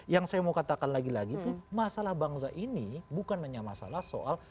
yang saya mau katakan lagi lagi tuh masalah bangsa ini bukan hanya masalah soal